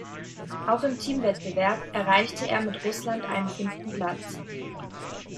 Auch im Teamwettbewerb erreichte er mit Russland einen fünften Platz.